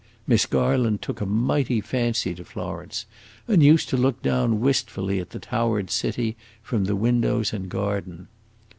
Miss Garland took a mighty fancy to Florence, and used to look down wistfully at the towered city from the windows and garden.